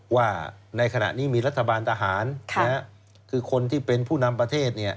ว่าในขณะนี้มีรัฐบาลทหารคือคนที่เป็นผู้นำประเทศ